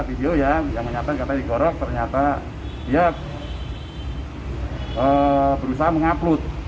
ibu ingat air usok